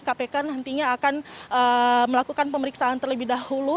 kpk nantinya akan melakukan pemeriksaan terlebih dahulu